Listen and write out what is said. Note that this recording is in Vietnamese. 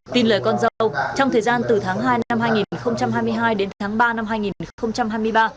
tin lời con dâu trong thời gian từ tháng hai năm hai nghìn hai mươi hai đến tháng ba năm hai nghìn hai mươi ba